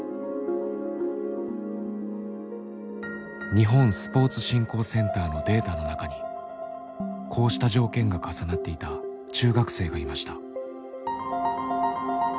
日本スポーツ振興センターのデータの中にこうした条件が重なっていた中学生がいました。